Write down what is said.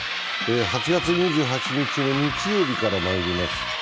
８月２８日の日曜日からまいります。